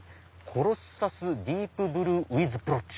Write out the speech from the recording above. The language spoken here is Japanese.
「コロッサスディープブルーウィズブロッチ」。